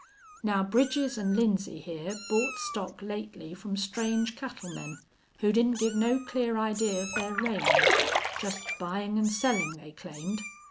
Now Bridges an' Lindsay hyar bought stock lately from strange cattlemen who didn't give no clear idee of their range. Jest buyin' an' sellin', they claimed....